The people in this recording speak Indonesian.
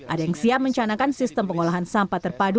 ada yang siap mencanakan sistem pengolahan sampah terpadu